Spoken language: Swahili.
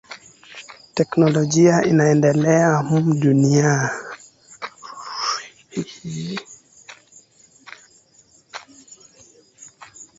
Teknolojia inaendelea mu dunia